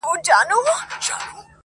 چي په لاره کي څو ځلي سوله ورکه-